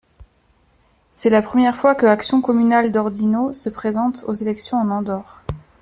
C'est la première fois que Action communale d'Ordino se présente aux élections en Andorre.